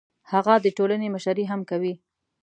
هغه د ټولنې مشري هم کوي.